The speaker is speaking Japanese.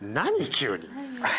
急に。